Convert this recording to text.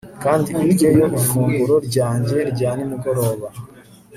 Kandi uryeyo ifunguro ryanjye rya nimugoroba